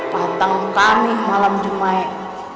patang kaning malam jemaik